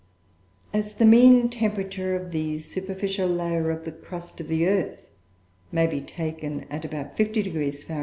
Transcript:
As the mean temperature of the superficial layer of the crust of the earth may be taken at about 50° Fahr.